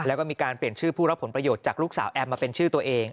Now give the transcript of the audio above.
แล้วก็มีการเปลี่ยนชื่อผู้รับผลประโยชน์จากลูกสาวแอมมาเป็นชื่อตัวเอง